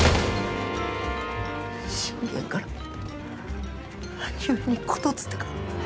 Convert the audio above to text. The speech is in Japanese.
信玄から兄上に言づてが。